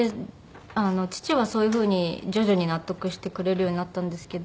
父はそういう風に徐々に納得してくれるようになったんですけど